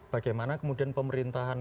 bagaimana kemudian pemerintahan